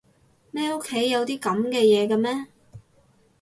乜屋企有啲噉嘅嘢㗎咩？